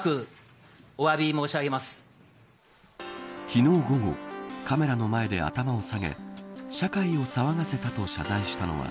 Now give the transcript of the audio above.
昨日午後カメラの前で頭を下げ社会を騒がせたと謝罪したのは